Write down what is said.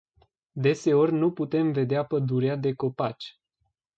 Deseori nu putem vedea pădurea de copaci.